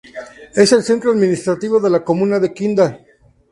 Es el centro administrativo de la comuna de Kinda.